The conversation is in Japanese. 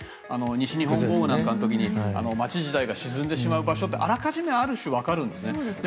西日本豪雨なんかの時に街自体が沈んでしまう場所ってあらかじめある種、わかるんですね。